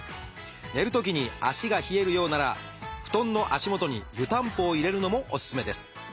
寝るときに足が冷えるようなら布団の足元に湯たんぽを入れるのもおすすめです。